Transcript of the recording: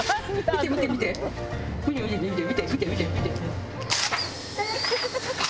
見て見て見て見て！